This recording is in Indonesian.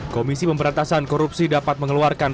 komisi pemberantasan korupsi dapat mengeluarkan